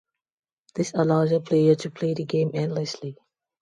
This allows a player to play the game endlessly.